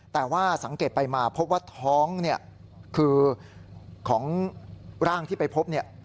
แต่ว่าสังเกตไปมาพบว่าท้องคือของร่างที่ไปพบ